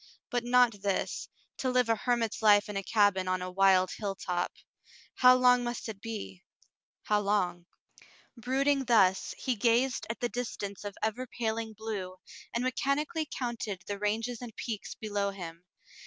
But not this, to live a hermit's life in a cabin on a wild hilltop. How long must it be — how long ? Brooding thus, he gazed at the distance of ever paling blue, and mechanically counted the ranges and peaks below him.